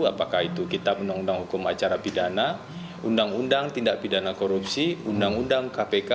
apakah itu kita undang undang hukum acara pidana undang undang tindak pidana korupsi undang undang kpk